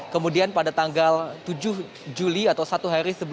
kemudian pada tanggal tujuh juli atau satu hari